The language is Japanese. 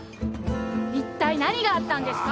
いったい何があったんですか？